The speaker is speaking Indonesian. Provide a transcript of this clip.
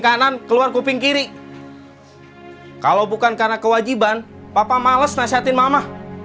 kanan keluar kuping kiri kalau bukan karena kewajiban papa males nasihatin mama